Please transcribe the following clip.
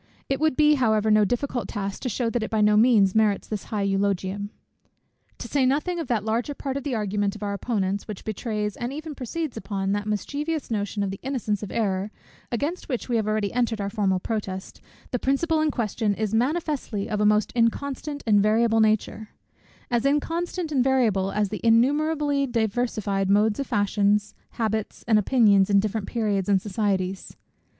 It would be however no difficult task to shew that it by no means merits this high eulogium. To say nothing of that larger part of the argument of our opponents, which betrays, and even proceeds upon, that mischievous notion of the innocence of error, against which we have already entered our formal protest, the principle in question is manifestly of a most inconstant and variable nature; as inconstant and variable as the innumerably diversified modes of fashions, habits, and opinions in different periods and societies.